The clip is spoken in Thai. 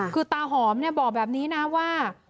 คือตาหอมบอกแบบนี้นะว่า